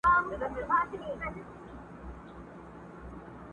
چي د ارزو غوټۍ مي څرنګه خزانه سوله.!